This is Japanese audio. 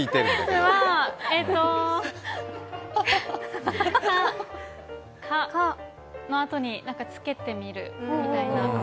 クイズはかのあとに何かつけてみるみたいな。